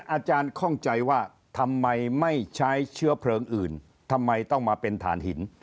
ข้องใจว่าทำไมไม่ใช้เชื้อเพลิงอื่นทำไมต้องมาเป็นฐานหิน